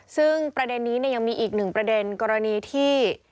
ซึ่งประเด็นนี้ยังมีอีกหนึ่งประเด็นกรณีที่